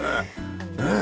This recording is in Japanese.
ねえ！